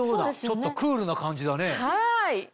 ちょっとクールな感じだね。